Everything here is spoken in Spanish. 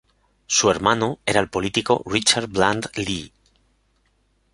Su hermano era el político Richard Bland Lee.